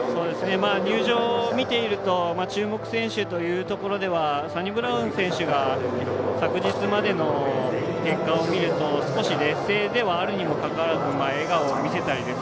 入場を見ると注目選手というところではサニブラウン選手が昨日までの結果を見ると少し劣勢ではあるにもかかわらず笑顔を見せたり。